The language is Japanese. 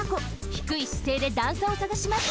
ひくいしせいで段差をさがします。